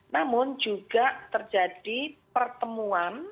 namun juga terjadi pertemuan